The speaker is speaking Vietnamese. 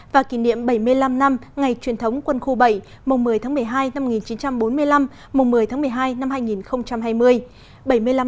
và kỷ niệm bảy mươi năm năm ngày truyền thống quân khu bảy một mươi tháng một mươi hai năm một nghìn chín trăm bốn mươi năm mùng một mươi tháng một mươi hai năm hai nghìn hai mươi